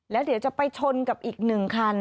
แล้วเดี๋ยวจะไปชนกับอีก๑คัน